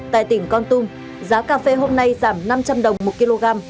tại tỉnh con tum giá cà phê hôm nay giảm năm trăm linh đồng một kg